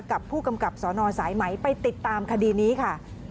กับผู้กำกับสนสายไหมไปติดตามคดีนี้ค่ะ